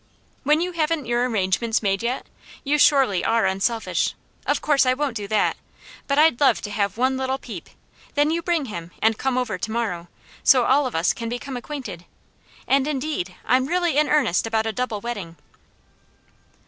"When you haven't your arrangements made yet! You surely are unselfish! Of course I won't do that, but I'd love to have one little peep, then you bring him and come over to morrow, so all of us can become acquainted, and indeed, I'm really in earnest about a double wedding."